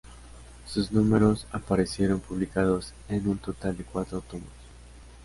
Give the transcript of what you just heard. Sus números aparecieron publicados en un total de cuatro tomos.